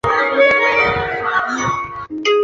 朱佑棨于弘治十八年袭封淮王。